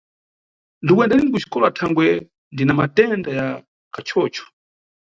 Ndikuyenda lini kuxikola thangwe ndina matenda ya kachocho